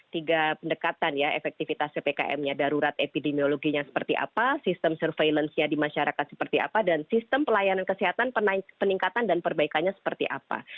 tiga pendekatan ya efektivitas ppkm nya darurat epidemiologinya seperti apa sistem surveillance nya di masyarakat seperti apa dan sistem pelayanan kesehatan peningkatan dan perbaikannya seperti apa